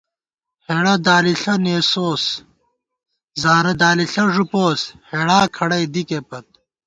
ہېڑہ دالِݪہ نېسوس تُو، زارہ دالِݪہ ݫُپوس ہېڑا کھڑَئی دِکےپت